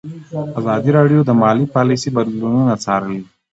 ازادي راډیو د مالي پالیسي بدلونونه څارلي.